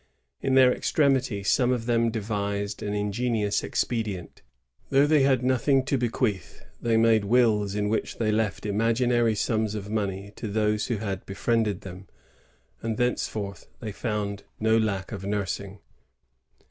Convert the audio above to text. In their extremity some of them devised an ingenious expedient Though they had nothing to bequeath, they made wiUs in which they left imaginary sums of money to those who had befriended them; and thenceforth they found no lack of nursing.